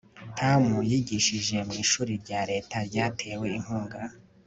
Tamm yigishije mu ishuri rya Leta ryatewe inkunga